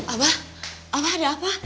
abah ada apa